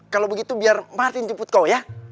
kalau begitu biar martin jeput kau ya